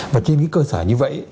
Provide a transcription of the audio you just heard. và trên cái cơ sở như vậy